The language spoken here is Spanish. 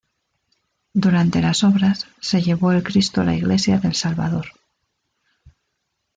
Durante las obras se llevó el Cristo a la Iglesia del Salvador.